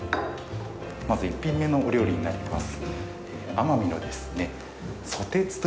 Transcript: まず、１品目のお料理になります。